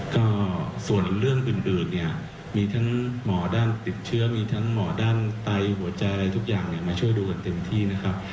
ก็ส่วนเรื่องอื่นเนี่ยมีทั้งหมอด้านติดเชื้อมีทั้งหมอด้านไตหัวใจอะไรทุกอย่างมาช่วยดูกันเต็มที่นะครับ